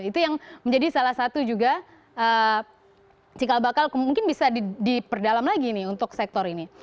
itu yang menjadi salah satu juga cikal bakal mungkin bisa diperdalam lagi nih untuk sektor ini